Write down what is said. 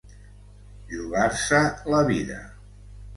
Jugar-se la vida.